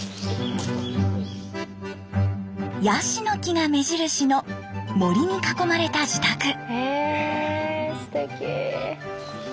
ヤシの木が目印の森に囲まれた自宅。へすてき。